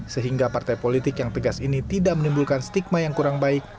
sehingga partai politik yang tegas ini tidak menimbulkan stigma yang kurang baik